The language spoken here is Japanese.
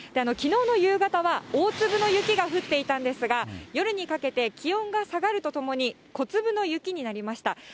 きのうの夕方は、大粒の雪が降っていたんですが、夜にかけて気温が下がるとともに、小粒の雪になりました。